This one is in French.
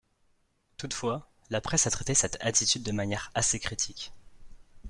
Toutefois, la presse a traité cette attitude de manière assez critique.